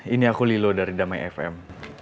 ini aku lilo dari damai fm